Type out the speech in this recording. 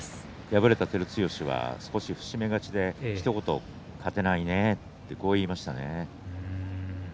敗れた照強は少し伏し目がちでひと言勝てないね、と言いました。